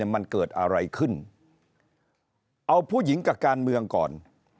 มันเกิดอะไรขึ้นเอาผู้หญิงกับการเมืองก่อน